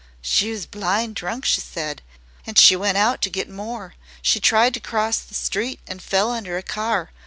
"She was blind drunk," she said, "an' she went out to get more. She tried to cross the street an' fell under a car.